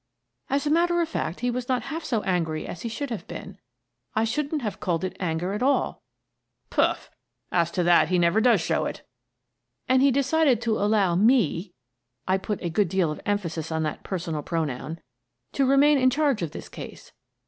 " As a matter of fact, he was not half so angry as he should have been. I shouldn't have called it anger at all." " Poof! As to that, he never does show it." " And he decided to allow me" — I put a good deal of emphasis on that personal pronoun — "to remain in charge of this case.